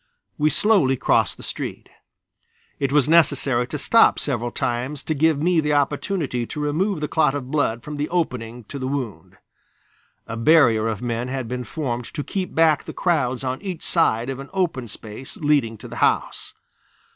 We slowly crossed the street. It was necessary to stop several times to give me the opportunity to remove the clot of blood from the opening to the wound. A barrier of men had been formed to keep back the crowds on each side of an open space leading to the house.